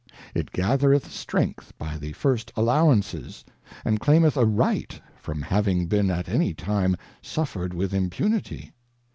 It gathereth Strength by the first allowances, and claimeth a Right from having been at any time suffered with Impunity.